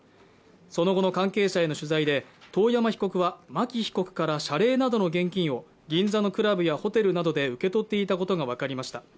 その後の関係者への取材で遠山被告は牧被告から謝礼などの現金を銀座のクラブやホテルなどで受け取っていたことが分かりました。